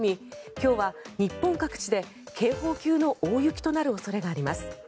今日は日本各地で警報級の大雪となる恐れがあります。